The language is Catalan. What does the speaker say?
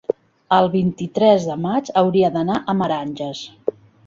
el vint-i-tres de maig hauria d'anar a Meranges.